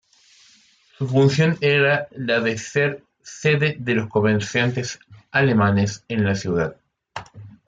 Su función era la de ser sede de los comerciantes alemanes en la ciudad.